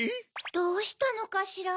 どうしたのかしら？